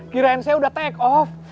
kirain saya udah take off